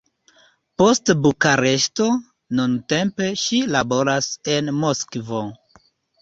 Post Bukareŝto, nuntempe ŝi laboras en Moskvo.